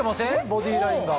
ボディーラインが。